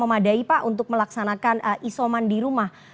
melaksanakan isoman di rumah